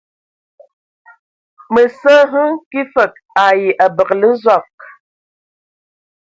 Mǝ sǝ hm kig fǝg ai abǝgǝlǝ Zɔg.